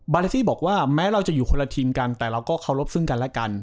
เลซี่บอกว่าแม้เราจะอยู่คนละทีมกันแต่เราก็เคารพซึ่งกันและกัน